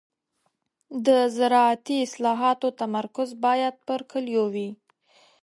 د زراعتي اصلاحاتو تمرکز باید پر کليو وي.